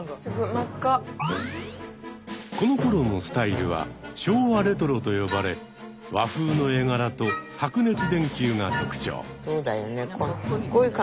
このころのスタイルは昭和レトロと呼ばれ和風の絵柄と白熱電球が特徴。